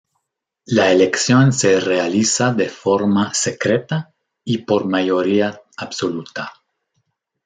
La elección se realiza de forma secreta y por mayoría absoluta.